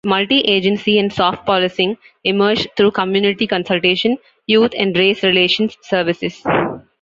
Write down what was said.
Multi-agency and "soft" policing emerged through community consultation, youth and "race relations" services.